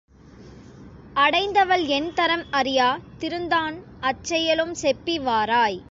அடைந்தவள் என்தரம் அறியா திருந்தான் அச்செயலும் செப்பி வாராய்!